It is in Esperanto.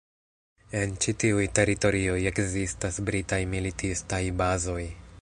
En ĉi tiuj teritorioj ekzistas britaj militistaj bazoj.